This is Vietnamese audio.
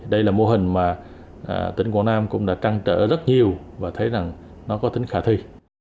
đây là mô hình mà tỉnh quảng nam cũng đã trăng trở rất nhiều và thấy rằng nó có tính khả thi